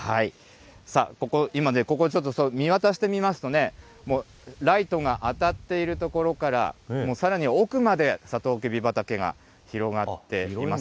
今、ここちょっと見渡してみますとね、もう、ライトが当たっている所から、さらに奥まで、さとうきび畑が広がっています。